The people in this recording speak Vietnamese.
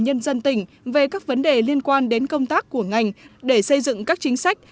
nhân dân tỉnh về các vấn đề liên quan đến công tác của ngành để xây dựng các chính sách